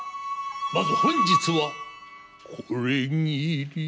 まず本日は「これぎり」。